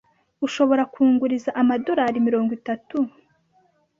Ushobora kunguriza amadorari mirongo itatu?